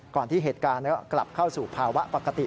ที่เหตุการณ์กลับเข้าสู่ภาวะปกติ